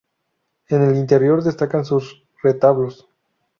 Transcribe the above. En el interior destacan sus retablos.